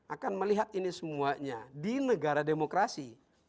akan melihat ini semuanya di negara demokrasi